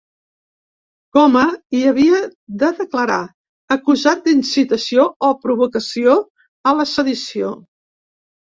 Coma hi havia de declarar acusat d’incitació o provocació a la sedició.